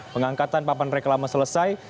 pengangkatan papan reklama selesai